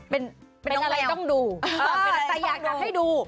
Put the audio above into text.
เป็นอะไรต้องดู